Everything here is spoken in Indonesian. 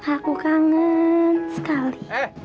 aku kangen sekali